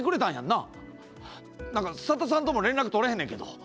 なんか佐田さんとも連絡取れへんのやけど！